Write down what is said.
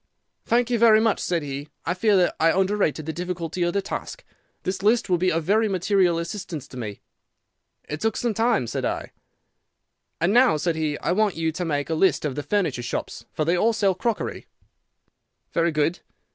"'Thank you very much,' said he; 'I fear that I underrated the difficulty of the task. This list will be of very material assistance to me.' "'It took some time,' said I. "'And now,' said he, 'I want you to make a list of the furniture shops, for they all sell crockery.' "'Very good.